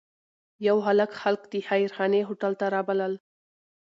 یو هلک خلک د خیرخانې هوټل ته رابلل.